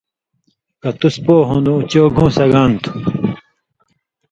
کہ تُس پو ہون٘دُوں اُو چو گُھوں سگان تُھو۔